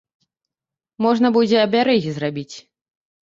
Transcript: Можна будзе абярэгі зрабіць.